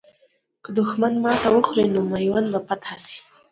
که دښمن ماته وخوري، نو میوند به فتح سي.